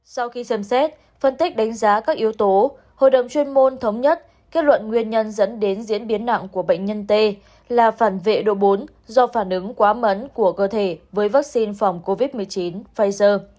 sau khi xem xét phân tích đánh giá các yếu tố hội đồng chuyên môn thống nhất kết luận nguyên nhân dẫn đến diễn biến nặng của bệnh nhân t là phản vệ độ bốn do phản ứng quá mấn của cơ thể với vaccine phòng covid một mươi chín pfizer